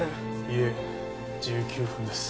いえ１９分です。